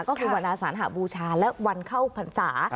ก็คือวันอาสานหบูชาและวันเข้าพรรษา